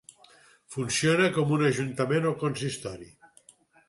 Funciona com un ajuntament o consistori.